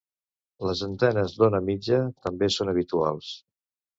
Les antenes d'ona mitja també són habituals.